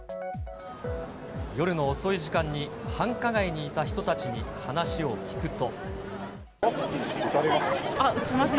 夜の遅い時間に、繁華街にいた人たちに話を聞くと。